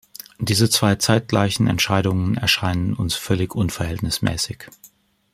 Diese zwei zeitgleichen Entscheidungen erscheinen uns völlig unverhältnismäßig.